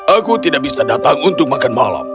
aku tidak bisa datang untuk mencari bulan